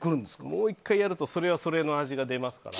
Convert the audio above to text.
もう１回やると、それはそれで味が出ますから。